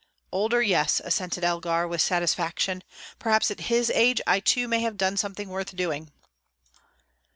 "Older, yes," assented Elgar, with satisfaction. "Perhaps at his age I too may have done something worth doing."